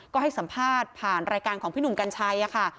ก็ให้สัมภาษณ์ผ่านรายการของพี่หนุ่มกัญชัยค่ะ